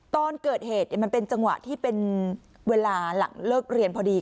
ตอนเกิดเหตุมันเป็นจังหวะที่เป็นเวลาหลังเลิกเรียนพอดี